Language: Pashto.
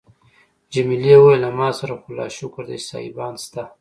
جميلې وويل: له ما سره خو لا شکر دی سایبان شته.